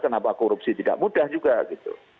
kenapa korupsi tidak mudah juga gitu